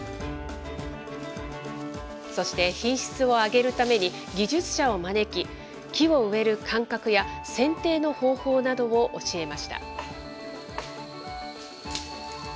そして品質を上げるために、技術者を招き、木を植える間隔や、せんていの方法などを教えました。